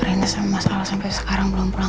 rena sama mas al sampai sekarang belum pulang